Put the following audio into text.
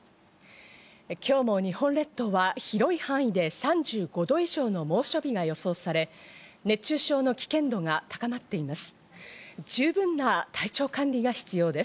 今日も日本列島は広い範囲で３５度以上の猛暑日が予想され、熱中症の危険度が高まっています。